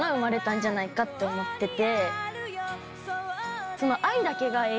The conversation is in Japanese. んじゃないかって思ってて。